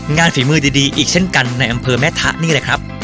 ฝีมือดีอีกเช่นกันในอำเภอแม่ทะนี่แหละครับ